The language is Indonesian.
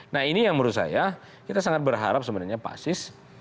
nah ini yang menurut saya kita sangat berharap sebenarnya pak sis